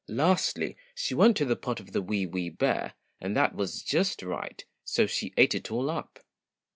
Lastly she went to the pot of the WEE WEE BEAR, and that was just right, so she ate it all up.